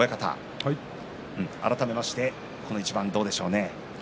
改めましてこの一番どうでしょうね。